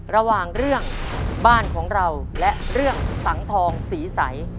ระหว่างเรื่องบ้านของเราและเรื่องสังทองศรีใส